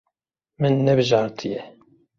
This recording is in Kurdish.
Min nebijartiye.